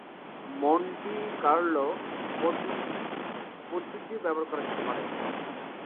Monty Carlo পদ্ধতি পদ্ধতিও ব্যবহার করা যেতে পারে।